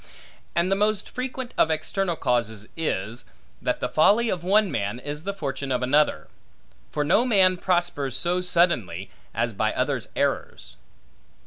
And the most frequent of external causes is, that the folly of one man, is the fortune of another. For no man prospers so suddenly, as by others' errors.